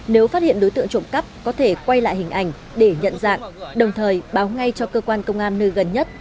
nếu phát hiện đối tượng trộm cắp có thể quay lại hình ảnh để nhận dạng đồng thời báo ngay cho cơ quan công an nơi gần nhất